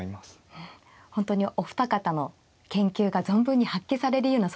本当にお二方の研究が存分に発揮されるような